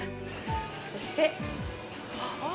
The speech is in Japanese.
そして。